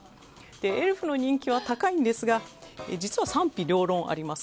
エルフの人気は高いんですが実は、賛否両論あります。